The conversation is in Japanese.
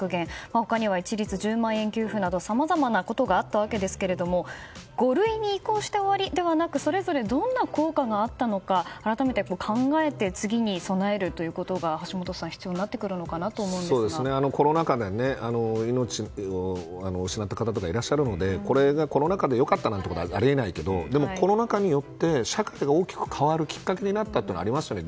他には、一律１０万円給付などさまざまなことがあったわけですが５類に移行して終わりではなくそれぞれどんな効果があったのか改めて考えて次に備えるということが橋下さん必要にコロナ禍で命を失った方とかもいらっしゃるのでコロナ禍で良かったなんてことはあり得ないけど、でもコロナ禍によって社会が大きく変わるきっかけになったことがありますよね。